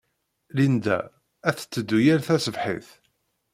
Linda ad tetteddu yal taṣebḥit.